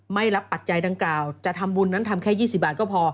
ไม่รับปัจจัยดังกล่าวจะทำบุญนั้นทำแค่๒๐บาทก็พอ